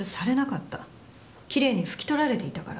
きれいに拭き取られていたから。